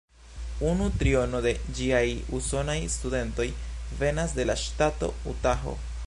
Unu triono de ĝiaj usonaj studentoj venas de la ŝtato Utaho.